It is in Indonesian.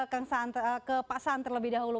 ke pasaan terlebih dahulu